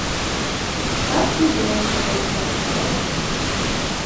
Так і доўжылася два дні.